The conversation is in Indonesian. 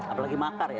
apalagi makar ya